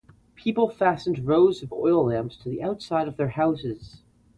People fastened rows of oil-lamps to the outside of their houses.